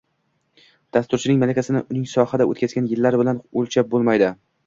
Dasturchining malakasini uning sohada o’tkazgan yillari bilan o’lchab bo’lmaydi